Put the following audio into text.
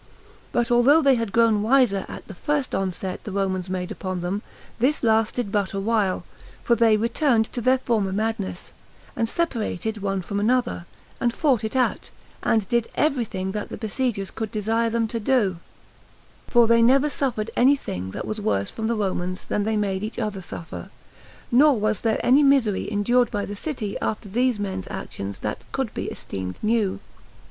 But although they had grown wiser at the first onset the Romans made upon them, this lasted but a while; for they returned to their former madness, and separated one from another, and fought it out, and did everything that the besiegers could desire them to do; for they never suffered any thing that was worse from the Romans than they made each other suffer; nor was there any misery endured by the city after these men's actions that could be esteemed new.